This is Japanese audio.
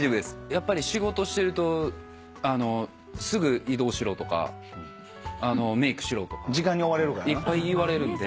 やっぱり仕事してるとすぐ移動しろとかメークしろとかいっぱい言われるんで。